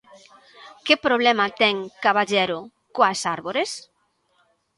Que problema ten Caballero coas árbores?